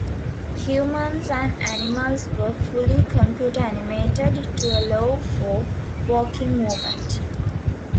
Humans and animals were fully computer animated to allow for walking movement.